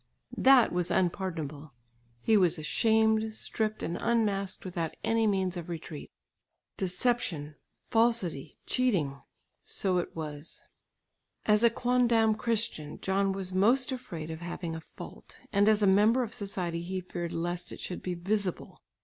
That was unpardonable. He was ashamed, stripped and unmasked without any means of retreat. Deception, falsity, cheating! So it was! As a quondam Christian, John was most afraid of having a fault, and as a member of society he feared lest it should be visible.